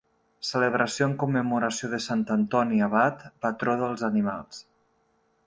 Celebració en commemoració de Sant Antoni Abat, patró dels animals.